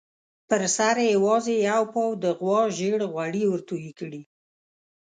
پر سر یې یوازې یو پاو د غوا زېړ غوړي ورتوی کړي.